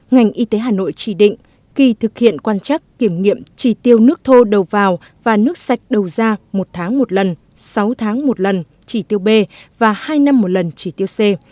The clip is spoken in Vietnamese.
ngành y tế hà nội chỉ định khi thực hiện quan trắc kiểm nghiệm chỉ tiêu nước thô đầu vào và nước sạch đầu ra một tháng một lần sáu tháng một lần chỉ tiêu b và hai năm một lần chỉ tiêu c